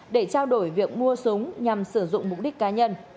để trao đổi việc mua súng nhằm sử dụng mục đích cá nhân